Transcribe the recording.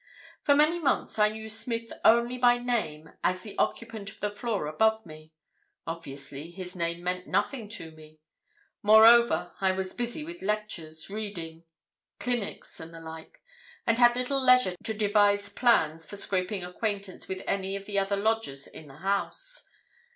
"For many months I knew Smith only by name as the occupant of the floor above me. Obviously his name meant nothing to me. Moreover I was busy with lectures, reading, cliniques and the like, and had little leisure to devise plans for scraping acquaintance with any of the other lodgers in the house.